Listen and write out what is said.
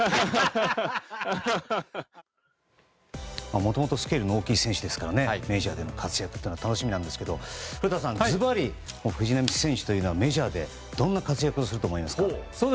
もともとスケールの大きい選手ですからメジャーでの活躍は楽しみですが古田さんずばり藤浪選手はメジャーでどんな活躍をすると思いますか？